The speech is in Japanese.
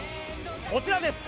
こちらです！